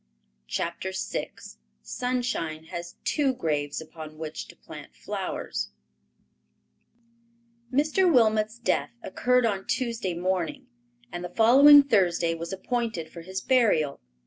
CHAPTER VI SUNSHINE HAS TWO GRAVES UPON WHICH TO PLANT FLOWERS Mr. Wilmot's death occurred on Tuesday morning, and the following Thursday was appointed for his burial.